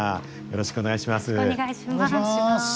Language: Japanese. よろしくお願いします。